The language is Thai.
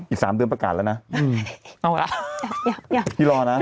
อีก๓เดือนประกาศแล้วน่ะ